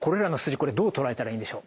これどう捉えたらいいんでしょう？